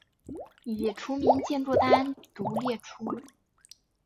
已除名建筑单独列出。